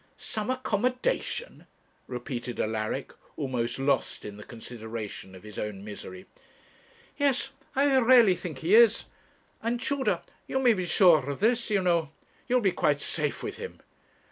'Some accommodation!' repeated Alaric, almost lost in the consideration of his own misery. 'Yes; I really think he is. And, Tudor, you may be sure of this, you know; you will be quite safe with him.